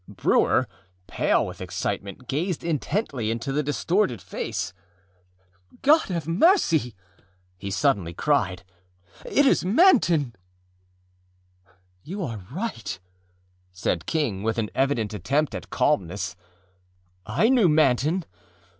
Brewer, pale with excitement, gazed intently into the distorted face. âGod of mercy!â he suddenly cried, âit is Manton!â âYou are right,â said King, with an evident attempt at calmness: âI knew Manton.